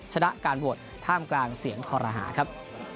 ชนะการโหวตท่ามกลางเสียงคอรหาครับ